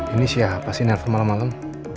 ini siapa sih nerver malam malam